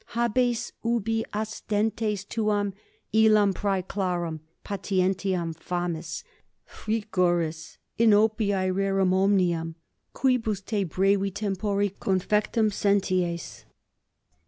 Habes, ubi ostentes illam tuam praeclaram patientiam famis, frigoris, inopiae rerum omnium, quibus te brevi tempore confectum senties.